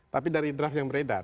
tapi dari draft yang beredar